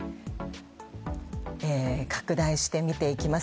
拡大して見ていきます。